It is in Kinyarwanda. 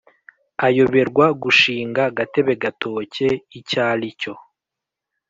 ayoberwa gushinga gatebe gatoke icy'alicyo.